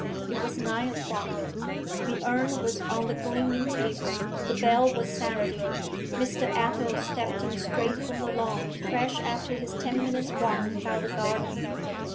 It was nine o'clock. The urn was on the gleaming table, the bell was sounding, Mr. Athel stepped in straight from the lawn, fresh after his ten minutes' walk about the garden.